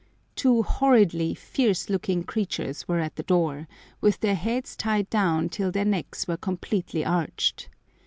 Two horridly fierce looking creatures were at the door, with their heads tied down till their necks were completely arched.